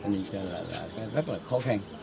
nên là rất là khó khăn